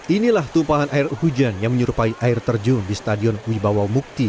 inilah tumpahan air hujan yang menyerupai air terjun di stadion wibawau mukti